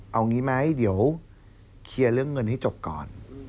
เอางี้ไหมเดี๋ยวเคลียร์เรื่องเงินให้จบก่อน